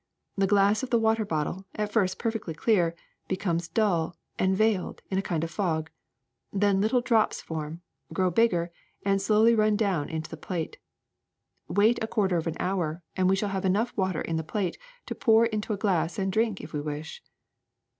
The glass of the water bottle, at first perfectly clear, be comes dull and veiled in a kind of fog. Then little drops form, grow bigger, and slowly run down into the plate. Wait a quarter of an hour and we shall have enough water in the plate to pour into a glass and drink if we wish.